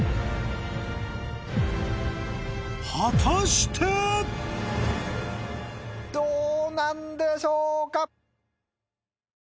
果たして⁉どうなんでしょうか？